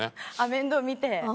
面倒見て。